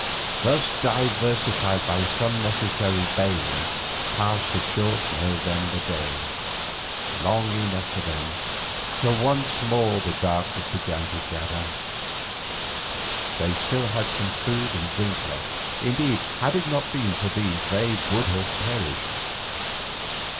Thus, diversified by some necessary bailing, passed the short November day, long enough for them, till once more the darkness began to gather. They had still some food and drink left; indeed, had it not been for these they would have perished.